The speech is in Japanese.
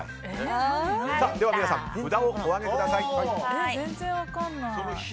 では皆さん、札をお上げください。